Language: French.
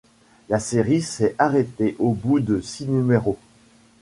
La série s'est arrêtée au bout de six numéros.